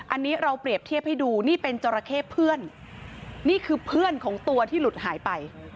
อันนี้เราเปรียบเทียบให้ดูนี่เป็นจราเข้เพื่อนนี่คือเพื่อนของตัวที่หลุดหายไป